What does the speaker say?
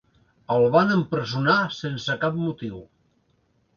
El van empresonar sense cap motiu.